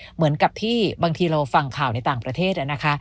เหมือนกับที่บางทีเราฟังข่าวในต่างประเทศนะคะ